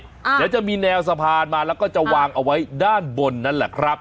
เดี๋ยวจะมีแนวสะพานมาแล้วก็จะวางเอาไว้ด้านบนนั่นแหละครับ